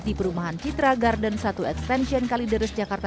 di perumahan citra garden satu extension kalideres jakarta